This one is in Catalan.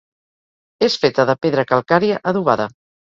És feta de pedra calcària adobada.